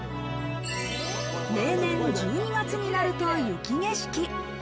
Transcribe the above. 例年１２月になると雪景色。